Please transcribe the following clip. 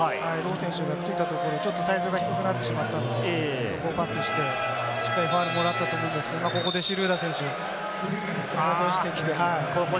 ロー選手についたところ、サイズが低くなってしまったので、しっかりここでファウルもらったと思うんですけれども、シュルーダー選手、戻してきて。